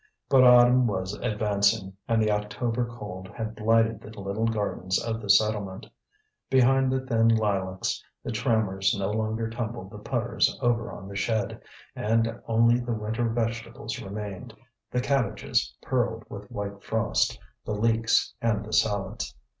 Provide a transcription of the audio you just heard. But autumn was advancing, and the October cold had blighted the little gardens of the settlement. Behind the thin lilacs the trammers no longer tumbled the putters over on the shed, and only the winter vegetables remained, the cabbages pearled with white frost, the leeks and the salads.